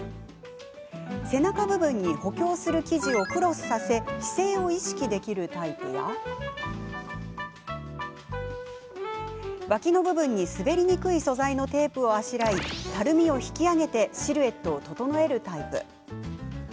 背中部分に補強する生地をクロスさせ姿勢を意識できるタイプや脇の部分に滑りにくい素材のテープをあしらいたるみを引き上げてシルエットを整えるタイプ。